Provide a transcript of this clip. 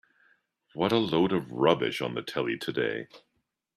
What a load of rubbish on the telly today.